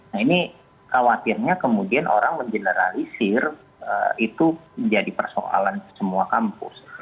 nah ini khawatirnya kemudian orang mengeneralisir itu menjadi persoalan semua kampus